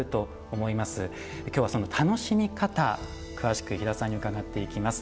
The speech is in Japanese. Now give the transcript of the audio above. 今日はその楽しみ方詳しく飛騨さんに伺っていきます。